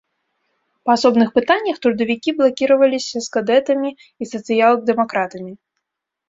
Па асобных пытаннях трудавікі блакіраваліся з кадэтамі і сацыял-дэмакратамі.